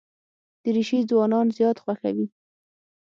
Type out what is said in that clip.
دریشي ځوانان زیات خوښوي.